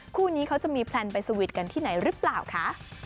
คู่นี้เขาจะมีแพลนไปสวีทกันที่ไหนหรือเปล่าคะ